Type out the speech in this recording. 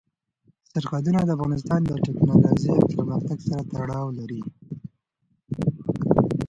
سرحدونه د افغانستان د تکنالوژۍ پرمختګ سره تړاو لري.